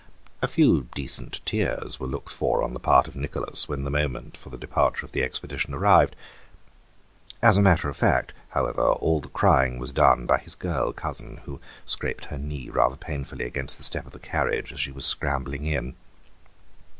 A few decent tears were looked for on the part of Nicholas when the moment for the departure of the expedition arrived. As a matter of fact, however, all the crying was done by his girl cousin, who scraped her knee rather painfully against the step of the carriage as she was scrambling in.